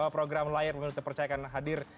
program layar pemilu terpercayakan hadir